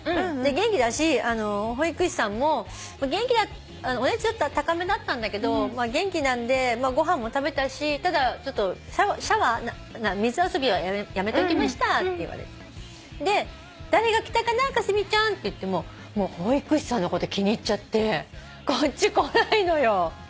元気だし保育士さんもお熱高めだったんだけどまあ元気なんでご飯も食べたしただシャワー水遊びはやめときましたって言われで「誰が来たかな香澄ちゃん」って言っても保育士さんのこと気に入っちゃってこっち来ないのよ。